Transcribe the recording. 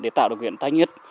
để tạo độc viện thanh nhất